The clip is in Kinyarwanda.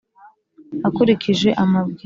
akurikije amabwiriza